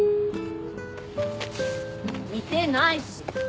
似てないし。